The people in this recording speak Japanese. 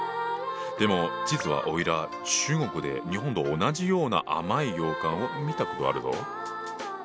でも実はおいら中国で日本と同じような甘い羊羹を見たことあるぞ。